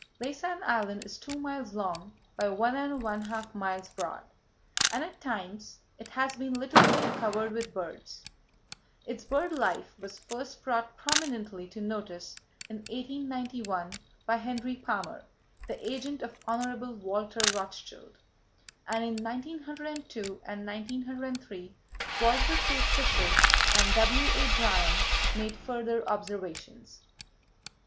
Laysan Island is two miles long by one and one half miles broad, and at times it has been literally covered with birds. Its bird life was first brought prominently to notice in 1891, by Henry Palmer, the agent of Hon. Walter Rothschild, and in 1902 and 1903 Walter K. Fisher and W.A. Bryan made further observations.